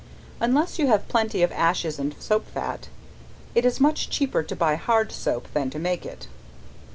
Unless you have plenty of ashes and soap fat, it is much cheaper to buy hard soap than to make it.